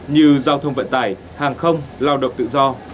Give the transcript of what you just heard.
như giao thông vận tải hàng không lao động tự do